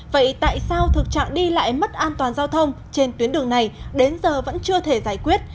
vậy tại sao thực trạng đi lại mất an toàn giao thông trên tuyến đường này đến giờ vẫn chưa thể giải quyết